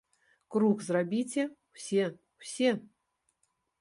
Круг зрабіце, усе ўсе!